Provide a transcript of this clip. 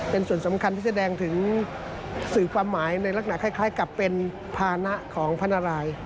เป็นส่วนสำคัญที่แสดงถึงสื่อความหมายในลักษณะคล้ายกับเป็นภานะของพระนาราย